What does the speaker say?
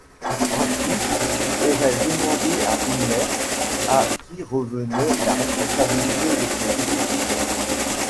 Bradfisch aurait demandé à Himmler à qui revenait la responsabilité de ces exécutions.